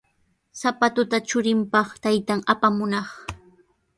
Sapatuta churinpaq taytan apamunaq.